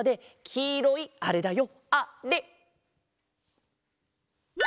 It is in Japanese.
きいろいあれだよ。